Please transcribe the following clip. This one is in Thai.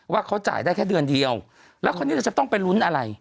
ว่าเขาจ่ายได้แค่เดือนเดียวแล้วคราวนี้เราจะต้องไปลุ้นอะไร